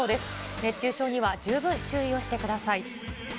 熱中症には十分注意をしてください。